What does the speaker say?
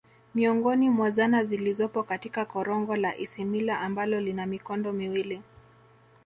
Miongoni mwa zana zilizopo katika korongo la Isimila ambalo lina mikondo miwili